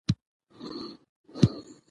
چې دې به هم په زړه تيږه اېښې وي.